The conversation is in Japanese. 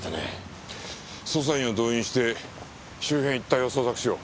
捜査員を動員して周辺一帯を捜索しよう。